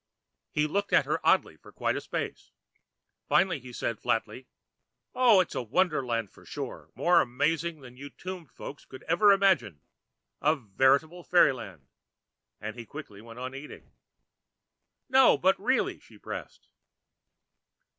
He looked at her oddly for quite a space. Finally, he said flatly, "Oh, it's a wonderland for sure, more amazing than you tombed folk could ever imagine. A veritable fairyland." And he quickly went on eating. "No, but really," she pressed.